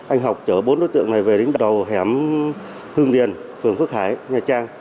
anh học chở bốn đối tượng này về đến đầu hẻm hương điền phường phước hải nha trang